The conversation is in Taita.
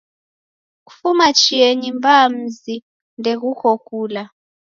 Kufuma chienyi mbaa mzi ndeghuko kula.